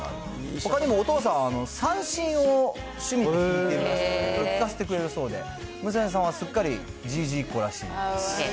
ほかにもお父さんは三線を趣味で弾いてまして、聞かせてくれるそうで、娘さんはすっかりじいじっ子らしいです。